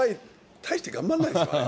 大して頑張んないですからね。